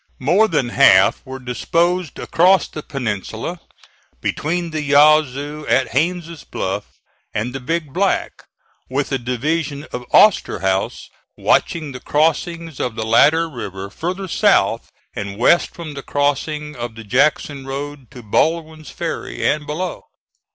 More than half were disposed across the peninsula, between the Yazoo at Haines' Bluff and the Big Black, with the division of Osterhaus watching the crossings of the latter river farther south and west from the crossing of the Jackson road to Baldwin's ferry and below.